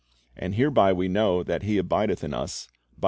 And hereby we know that He abideth in us, by 1 Ps.